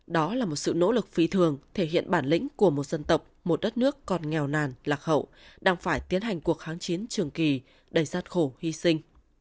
đó là một sự nỗ lực phi thường thể hiện bản lĩnh của một dân tộc một đất nước còn nghèo nàn lạc hậu đang phải tiến hành cuộc kháng chiến trường kỳ đầy gian khổ hy sinh